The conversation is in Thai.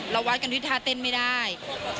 เราวัดกันทิศทาเต้นไม่ได้